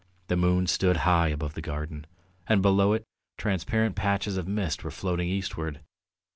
The moon stood high above the garden, and below it transparent patches of mist were floating eastward.